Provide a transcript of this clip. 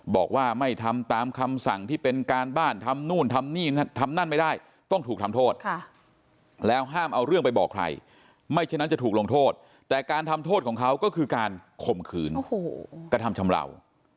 บอกว่าไม่ทำตามคำสั่งที่เป็นการบ้านทำนู่นทำนี่ทำนั่นไม่ได้ต้องถูกทำโทษแล้วห้ามเอาเรื่องไปบอกใครไม่ฉะนั้นจะถูกลงโทษแต่การทำโทษของเขาก็คือการข่มขืนกระทำชำราว